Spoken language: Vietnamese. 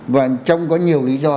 và trong có nhiều lý do